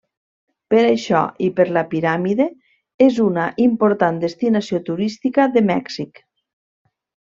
Per això, i per la piràmide, és una important destinació turística de Mèxic.